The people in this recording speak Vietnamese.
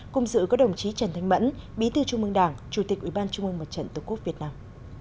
cùng dự có đồng chí trần thanh mẫn bí tư trung mương đảng chủ tịch ủy ban trung mương mật trận tổ quốc việt nam